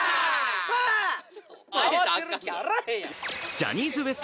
ジャニーズＷＥＳＴ